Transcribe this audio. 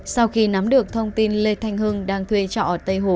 sau khi nắm được thông tin lê thành hưng đang thuê chọ ở tây hồ